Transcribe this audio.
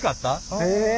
へえ。